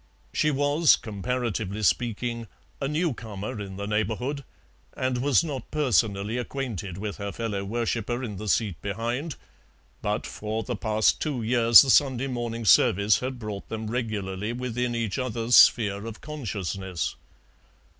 She was, comparatively speaking a new comer in the neighbourhood, and was not personally acquainted with her fellow worshipper in the seat behind, but for the past two years the Sunday morning service had brought them regularly within each other's sphere of consciousness.